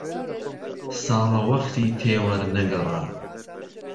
ساڵە وەختى تێ وەر نە گەڕا